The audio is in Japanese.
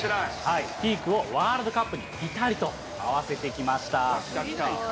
ピークをワールドカップにぴたりと合わせてきました。